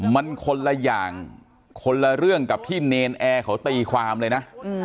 มันคนละอย่างคนละเรื่องกับที่เนรนแอร์เขาตีความเลยนะ